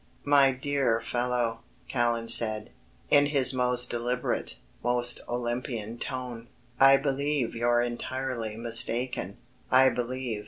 "My dear fellow," Callan said, in his most deliberate, most Olympian tone. "I believe you're entirely mistaken, I believe